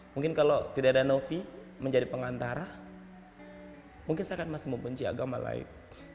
mungkin kalau tidak ada novi menjadi pengantara mungkin saya akan masih membenci agama lain